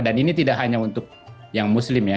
dan ini tidak hanya untuk yang muslim ya